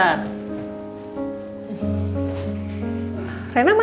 ya terima kasih mbak